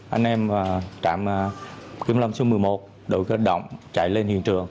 anh em trạm kiếm lâm số một mươi một đội cơ động chạy lên hiện trường